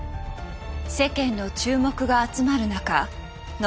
世間の注目が集まる中ノ